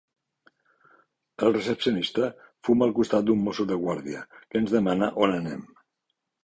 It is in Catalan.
El recepcionista fuma al costat d'un Mosso de guàrdia, que ens demana on anem.